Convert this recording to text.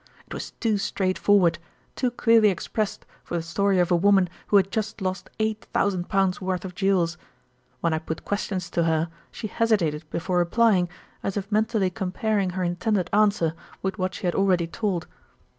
"It was too straightforward, too clearly expressed for the story of a woman who had just lost eight thousand pounds' worth of jewels. When I put questions to her she hesitated before replying, as if mentally comparing her intended answer with what she had already told.